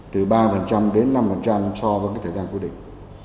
từ ba đến năm so với thời gian quy định